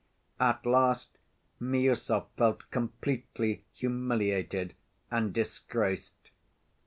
At last Miüsov felt completely humiliated and disgraced.